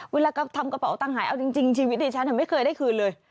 เวลาทำกระเป๋าตังหายเอาจริงชีวิตดิฉันไม่เคยได้คืนเลย